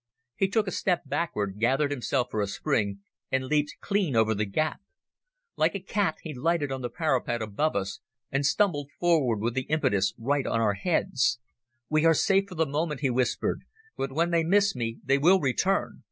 He took a step backward, gathered himself for a spring, and leaped clean over the gap. Like a cat he lighted on the parapet above us, and stumbled forward with the impetus right on our heads. "We are safe for the moment," he whispered, "but when they miss me they will return.